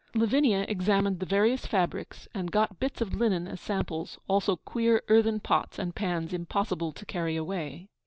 Lavinia examined the various fabrics, and got bits of linen as samples, also queer earthen pots and pans impossible to carry away.